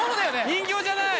人形じゃない！